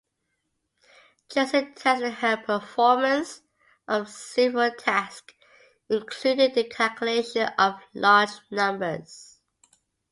Jensen tested her performance of several tasks, including the calculation of large numbers.